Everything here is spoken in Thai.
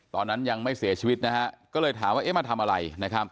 ตอนนั้นยังไม่เสียชีวิตก็เลยถามว่าไอ้มาทำอะไร